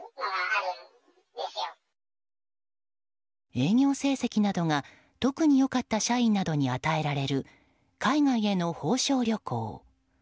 営業成績などが特に良かった社員などに与えられる海外への報奨旅行。